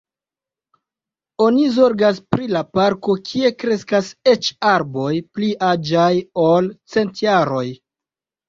Oni zorgas pri la parko, kie kreskas eĉ arboj pli aĝaj, ol cent jaroj.